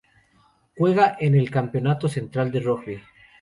Juega en la Campeonato Central de Rugby.